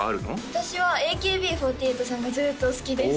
私はＡＫＢ４８さんがずっと好きです